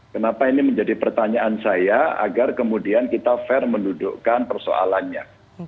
kenapa ini menjadi pertanyaan saya agar kemudian kita fair mendudukkan persoalannya